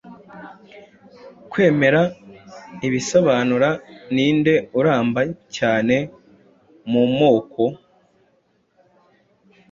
Kwemera ibisobanura Ninde uramba cyane mumoko